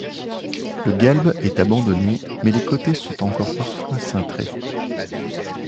Le galbe est abandonné, mais les côtés sont encore parfois cintrés.